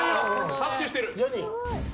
拍手してる。